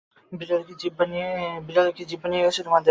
বিড়ালে কি জিহ্বা নিয়ে গেছে তোমাদের?